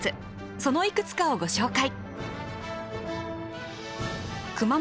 そのいくつかをご紹介。